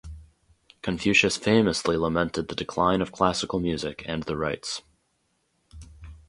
Confucius famously lamented the decline of classical music and the rites.